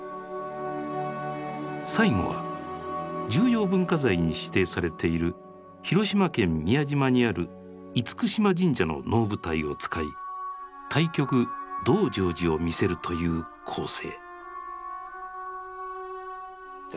最後は重要文化財に指定されている広島県宮島にある厳島神社の能舞台を使い大曲「道成寺」を見せるという構成。